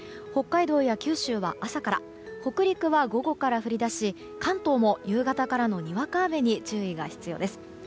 北海道や九州は朝から北陸は午後から降り出し関東も夕方からのにわか雨に注意が必要です。